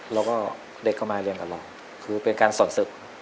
แล้วก็เด็กก็มาเรียนกับเราคือเป็นการสอนศึก